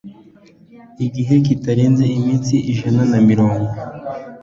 gihe kitarenze iminsi ijana na mirongo